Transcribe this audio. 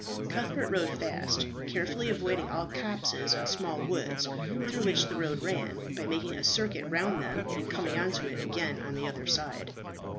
Cuthbert rode fast, carefully avoiding all copses and small woods through which the road ran, by making a circuit round them and coming on to it again on the other side.